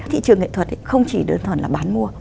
thị trường nghệ thuật không chỉ đơn thuần là bán mua